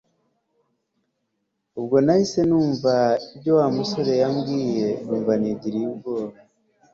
ubwo nahise nibuka ibyo wamusore yambwiye numva nigiriye ubwoba